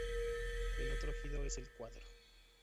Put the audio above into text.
El otro ejido es El Cuatro.